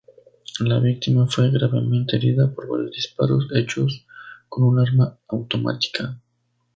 La víctima fue gravemente herida por varios disparos hechos con un arma automática.